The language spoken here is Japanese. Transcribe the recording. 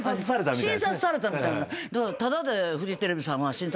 診察されたみたいな。